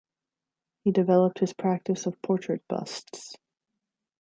He developed his practise of portrait busts.